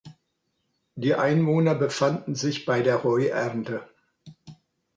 Die Einwohner befanden sich bei der Heuernte.